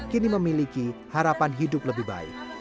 kini memiliki harapan hidup lebih baik